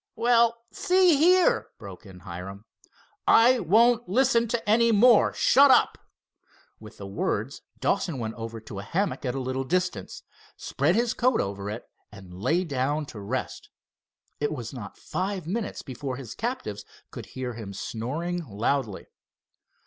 "Well, see here " broke in Hiram. "I won't listen to any more. Shut up." With the words Dawson went over to a hammock at a little distance, spread his coat over it, and lay down to rest. It was not five minutes before his captives could hear him snoring loudly.